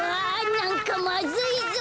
なんかまずいぞ！